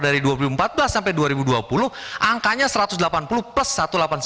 dari dua ribu empat belas sampai dua ribu dua puluh angkanya satu ratus delapan puluh plus satu ratus delapan puluh sembilan